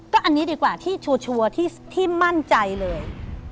ก็อันนี้ดีกว่าที่ชัวร์ที่มั่นใจเลย